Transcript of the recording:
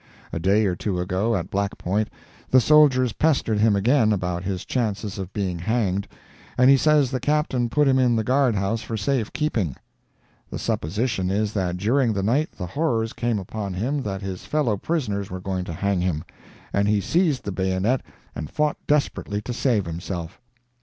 A day or two ago, at Black Point, the soldiers pestered him again about his chances of being hanged, and he says the Captain put him in the guard house for safe keeping. The supposition is that during the night the horrors came upon him that his fellow prisoners were going to hang him, and he seized the bayonet and fought desperately to save himself.